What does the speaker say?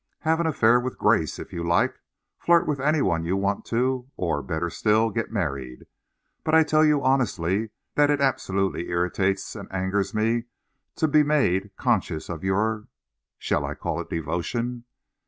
Have an affair with Grace, if you like, flirt with any one you want to, or, better still, get married. But I tell you honestly that it absolutely irritates and angers me to be made conscious of your shall I call it devotion?